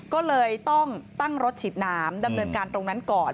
ก็เลยต้องตั้งรถฉีดน้ำดำเนินการตรงนั้นก่อน